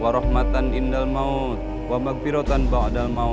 walaupun dia seperti yang ayam